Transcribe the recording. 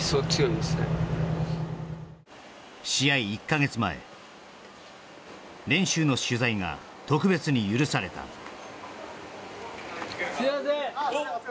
１か月前練習の取材が特別に許されたすいませんああ